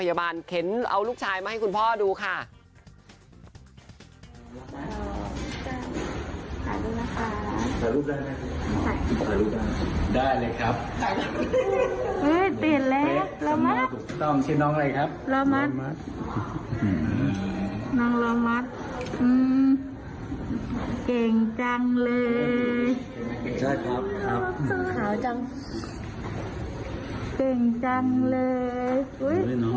มาอ้ายเจ้าท่านนี่เข้าไปห้องเด็กอันนั้นกันเลยนะคะ